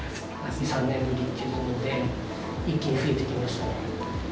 ３年ぶりということで、一気に増えてきました。